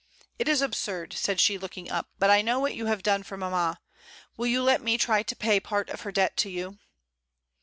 "It is absurd," said she, looking up, "but I know what you have done for mamma. Will you let me try to pay part of her debt to you?"